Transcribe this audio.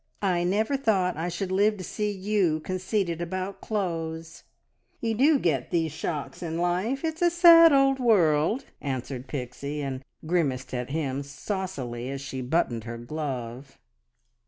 "I never thought I should live to see you conceited about clothes!" "Ye do get these shocks in life. It's a sad old world!" answered Pixie, and grimaced at him saucily, as she buttoned her glove.